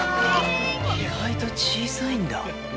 意外と小さいんだ。